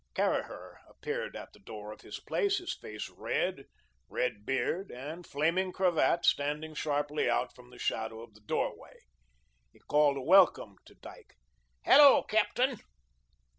Caraher appeared at the door of his place, his red face, red beard, and flaming cravat standing sharply out from the shadow of the doorway. He called a welcome to Dyke. "Hello, Captain."